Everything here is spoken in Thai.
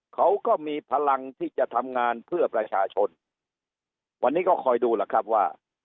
เขาก็มีพลังที่จะทำงานเพื่อประชาชนวันนี้ก็คอยดูล่ะครับว่า